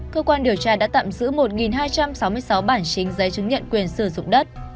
cơ quan điều tra đã tạm giữ một hai trăm sáu mươi sáu bản chính giấy chứng nhận quyền sử dụng đất